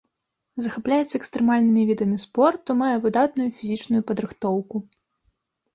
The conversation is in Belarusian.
Захапляецца экстрэмальнымі відамі спорту, мае выдатную фізічную падрыхтоўку.